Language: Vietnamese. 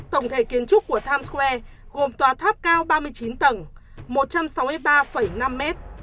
tổng thể kiến trúc của times square gồm tòa tháp cao ba mươi chín tầng một trăm sáu mươi ba năm m